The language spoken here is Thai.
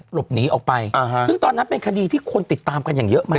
หลบหนีออกไปซึ่งตอนนั้นเป็นคดีที่คนติดตามกันอย่างเยอะมาก